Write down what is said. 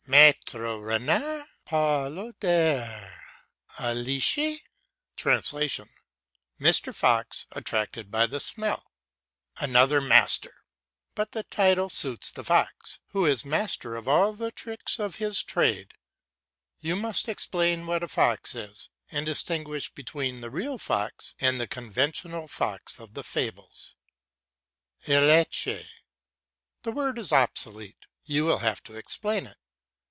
"Maitre renard, par l'odeur alleche" (Mr. Fox, attracted by the smell). Another Master! But the title suits the fox, who is master of all the tricks of his trade. You must explain what a fox is, and distinguish between the real fox and the conventional fox of the fables. "Alleche." The word is obsolete; you will have to explain it.